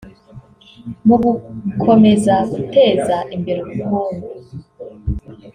Mu gukomeza guteza imbere ubukungu